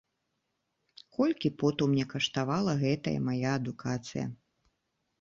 Колькі поту мне каштавала гэтая мая адукацыя.